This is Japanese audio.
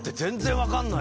分かんない。